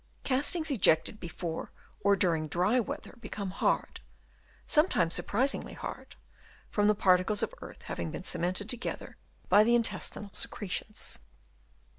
Castings ejected before or during dry weather become hard, sometimes surprisingly hard, from the particles of earth having been cemented together by the intestinal secre tions.